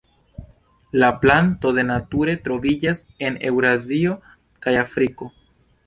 La planto de nature troviĝas en Eŭrazio kaj Afriko.